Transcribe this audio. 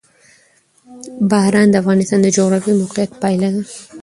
باران د افغانستان د جغرافیایي موقیعت پایله ده.